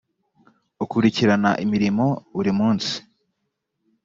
ukurikirana imirimo buri munsi